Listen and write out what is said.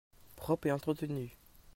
Propre et entretenu.